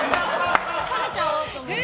食べちゃおうと思って。